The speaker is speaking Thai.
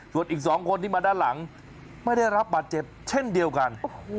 ส่วนอีก๒คนที่มาด้านหลังไม่ได้รับบาดเจ็บเช่นเดียวกัน